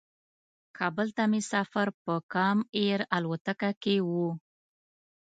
کابل ته مې سفر په کام ایر الوتکه کې و.